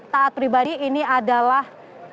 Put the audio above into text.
taat pribadi ini adalah